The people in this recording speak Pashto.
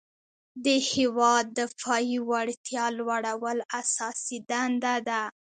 د هیواد دفاعي وړتیا لوړول اساسي دنده ده.